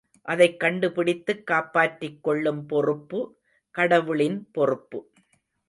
அதைக் கண்டு பிடித்துக் காப்பாற்றிக் கொள்ளும் பொறுப்பு கடவுளின் பொறுப்பு.